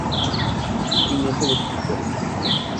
Hijo y nieto de escultores.